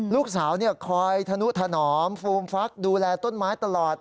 ลูกสาวคอยธนุถนอมฟูมฟักดูแลต้นไม้ตลอด